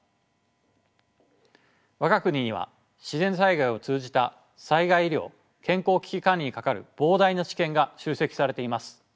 我が国には自然災害を通じた災害医療健康危機管理に係る膨大な知見が集積されています。